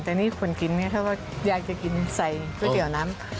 แต่นี่คนกินเนี่ยเขาก็อยากจะกินใส่ก๋วยเตี๋ยวน้ำ